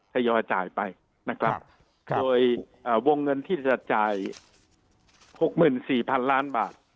จะยอดจ่ายไปนะครับครับโดยอ่าวงเงินที่จะจ่ายหกหมื่นสี่พันล้านบาท